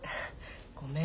ごめん。